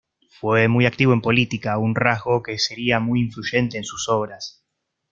Fue muy activo en política, un rasgo que sería muy influyente en sus obras.